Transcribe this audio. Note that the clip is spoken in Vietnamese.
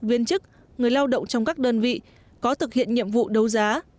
viên chức người lao động trong các đơn vị có thực hiện nhiệm vụ đấu giá